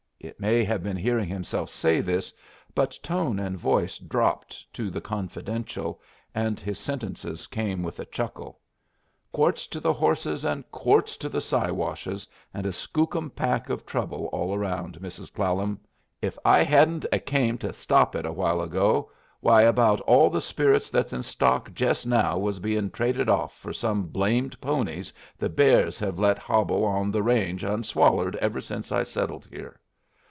It may have been hearing himself say this, but tone and voice dropped to the confidential and his sentences came with a chuckle. "Quarts to the horses and quarts to the Siwashes and a skookum pack of trouble all round, Mrs. Clallam! If I hedn't a came to stop it a while ago, why about all the spirits that's in stock jest now was bein' traded off for some blamed ponies the bears hev let hobble on the range unswallered ever since I settled here.